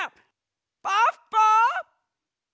ポッポ！